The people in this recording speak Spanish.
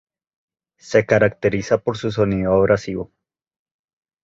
Se caracteriza por su sonido abrasivo.